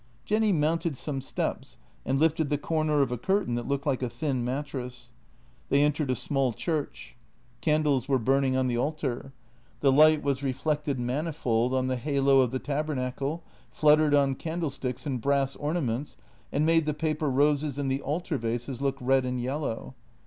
Jenny mounted some steps and lifted 'the corner of a curtain that looked like a thin mattress. They entered a small church. JENNY 34 Candles were burning on the altar. The light was reflected manifold on the halo of the tabernacle, fluttered on candle sticks and brass ornaments and made the paper roses in the altar vases look red and yellow.